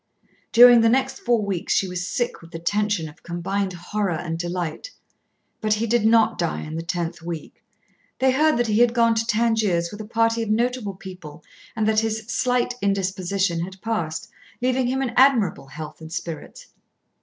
During the next four weeks she was sick with the tension of combined horror and delight. But he did not die in the tenth week. They heard that he had gone to Tangiers with a party of notable people, and that his "slight" indisposition had passed, leaving him in admirable health and spirits.